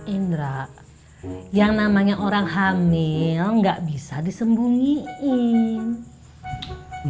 indra yang namanya orang hamil nggak bisa disembunyiin